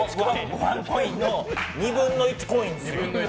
ワンコインの２分の１コインですよ。